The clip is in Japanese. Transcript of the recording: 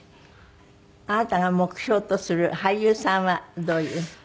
あなたが目標とする俳優さんはどういう？